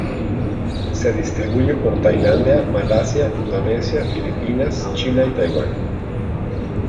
Se distribuye por Tailandia, Malasia, Indonesia, Filipinas, China y Taiwán.